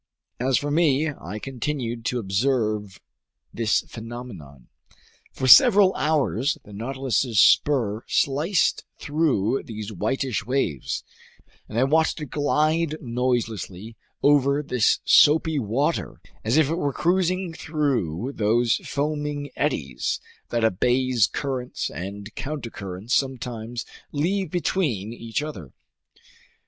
As for me, I continued to observe this phenomenon. For several hours the Nautilus's spur sliced through these whitish waves, and I watched it glide noiselessly over this soapy water, as if it were cruising through those foaming eddies that a bay's currents and countercurrents sometimes leave between each other.